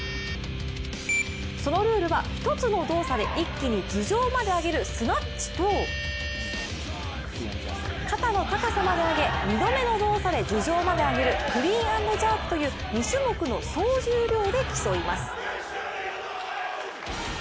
そのルールは１つの動作で一気に頭上まで挙げるスナッチと肩の高さまで上げ、２度目の動作で頭上まで上げるクリーン＆ジャークという２種目の総重量で競います。